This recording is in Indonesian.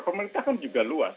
pemerintah kan juga luas